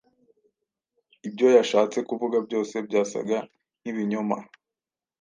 Ibyo yashatse kuvuga byose byasaga nkibinyoma.